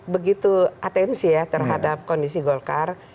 begitu atensi ya terhadap kondisi golkar